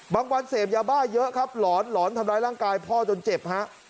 วันเสพยาบ้าเยอะครับหลอนหลอนทำร้ายร่างกายพ่อจนเจ็บฮะ